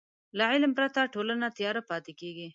له علم پرته ټولنه تیاره پاتې کېږي.